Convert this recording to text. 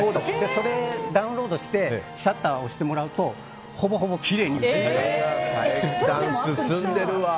それをダウンロードしてシャッターを押してもらうと進んでるわ。